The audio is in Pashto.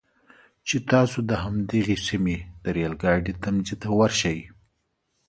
چې تاسو د همدغې سیمې د ریل ګاډي تمځي ته ورشئ.